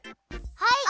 はい！